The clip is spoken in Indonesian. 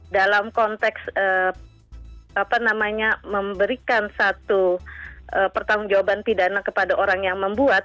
dalam konteks memberikan satu pertanggung jawaban pidana kepada orang yang membuat